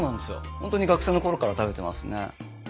本当に学生のころから食べてますね。